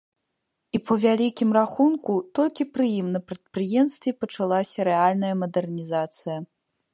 І, па вялікім рахунку, толькі пры ім на прадпрыемстве пачалася рэальная мадэрнізацыя.